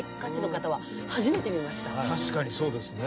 確かにそうですね。